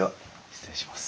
失礼します。